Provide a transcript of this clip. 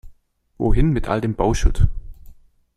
Wohin mit all dem Bauschutt?